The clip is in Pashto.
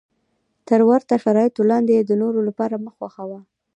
تر ورته شرایطو لاندې یې د نورو لپاره مه خوښوه.